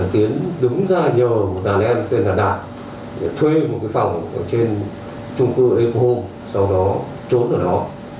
tiến đứng ra nhờ một đàn em tên là đạt để thuê một cái phòng ở trên trung cư epo home sau đó trốn ở đó